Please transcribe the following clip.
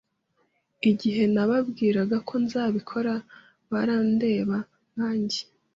Igihe nababwiraga ko nzabikora, barandeba nkanjye.